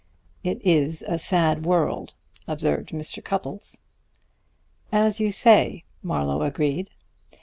"It is a sad world," observed Mr. Cupples. "As you say," Marlowe agreed.